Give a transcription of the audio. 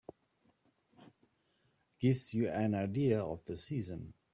Gives you an idea of the season.